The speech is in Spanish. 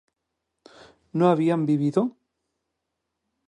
¿no habían vivido?